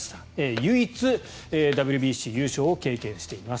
唯一、ＷＢＣ優勝を経験しています。